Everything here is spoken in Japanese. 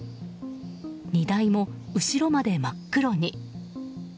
荷台も後ろまで真っ黒に。